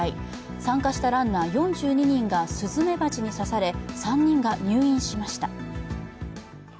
参加したランナー４２人がスズメバチに刺され、３人が入院しました。